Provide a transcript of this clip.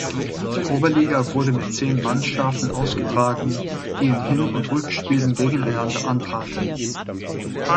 Die Oberliga wurde mit zehn Mannschaften ausgetragen, die in Hin- und Rückspielen gegeneinander antraten.